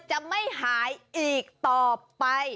จะไม่หายอีกต่อไป